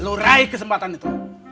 lo raih kesempatan itu